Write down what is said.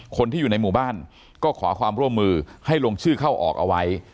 คนที่อยู่ในหมู่บ้านก็ขอความร่วมมือให้ลงชื่อเข้าออกเอาไว้